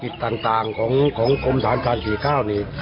พฤศจิตต่างของกรมฐานธานศรีข้าวนี่